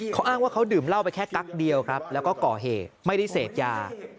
เขาอ้างว่าเขาดื่มเหล้าไปแค่กั๊กเดียวครับแล้วก็ก่อเหตุไม่ได้เสพยา